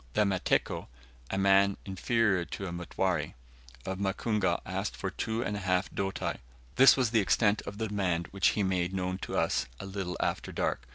The Mateko (a man inferior to a Mutware) of Mukungu asked for two and a half doti. This was the extent of the demand, which he made known to us a little after dark.